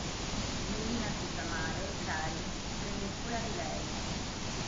Melina si fa male e Karin si prende cura di lei.